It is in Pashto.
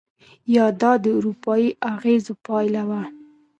یا دا د اروپایي اغېزو پایله وه؟